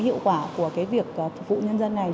và hiệu quả của việc phục vụ nhân dân này